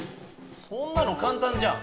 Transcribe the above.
そんなの簡単じゃん！